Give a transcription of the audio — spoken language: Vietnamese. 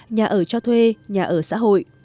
nhà ở cho thuê nhà ở xã hội